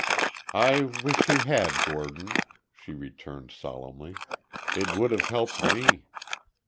"I wish you had, Gordon," she returned, solemnly, "it would have helped me."